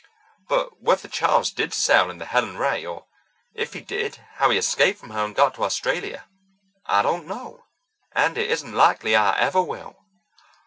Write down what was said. But whether Charles did sail in the Helen Ray, or if he did, how he escaped from her and got to Australia, I don't know, and it isn't likely I ever will."